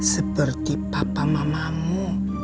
seperti papa mamamu